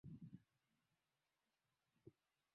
isimila ni sehemu muhimu sana duniani